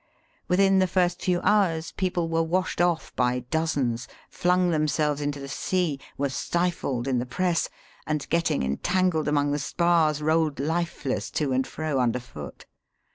Within the first few hours, people were washed off by dozens, flung themselves into the sea, were stifled in the press, and, getting entangled among the spars, rolled lifeless to and fro under foot.